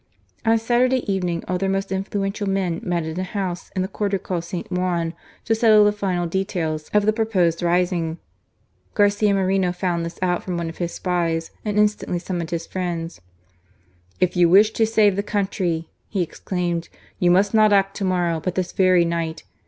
On Saturday evening all their most influential men met in a house in the quarter called St. Juan, to settle the final details of the proposed rising. Garcia Moreno found this out from one of his spies, and instantly summoned his friends. " If you wish to save the country,'* he exclaimed, *' you must not act to morrow, but this very night.